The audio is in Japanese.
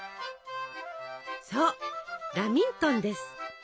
そうラミントンです。